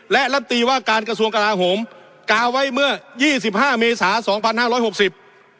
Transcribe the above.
และลำตีว่าการกระทรวงกลาโหมกาไว้เมื่อยี่สิบห้าเมษาสองพันห้าร้อยหกสิบ